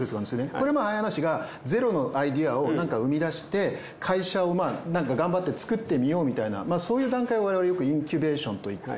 これもゼロのアイデアを何か生み出して会社を頑張って作ってみようみたいなそういう段階を我々よくインキュベーションと言って。